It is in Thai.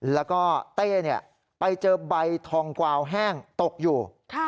แล้วก็เต้ไปเจอใบทองกวาวแห้งตกอยู่